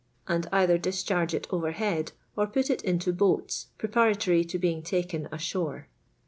and either discharge it overboard or put it into boats preparatory to being taken ashore.